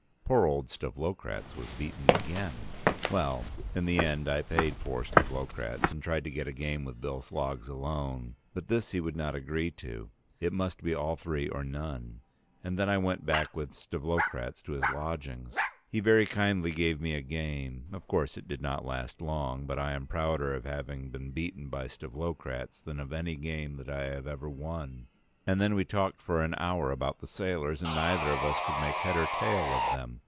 Poor old Stavlokratz was beaten again. Well, in the end I paid for Stavlokratz, and tried to get a game with Bill Sloggs alone, but this he would not agree to, it must be all three or none: and then I went back with Stavlokratz to his lodgings. He very kindly gave me a game: of course it did not last long but I am prouder of having been beaten by Stavlokratz than of any game that I have ever won. And then we talked for an hour about the sailors, and neither of us could make head or tail of them.